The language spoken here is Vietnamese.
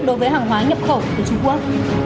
đối với hàng hóa nhập khẩu từ trung quốc